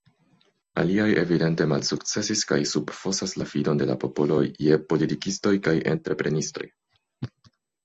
Aliaj evidente malsukcesis kaj subfosas la fidon de la popolo je politikistoj kaj entreprenistoj.